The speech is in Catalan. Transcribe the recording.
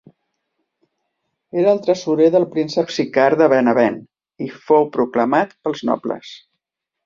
Era el tresorer del príncep Sicard de Benevent i fou proclamar pels nobles.